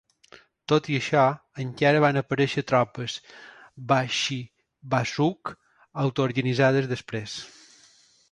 Tot i això, encara van aparèixer tropes bashi-bazouk autoorganitzades després.